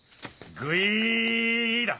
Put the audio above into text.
グイっ！だ。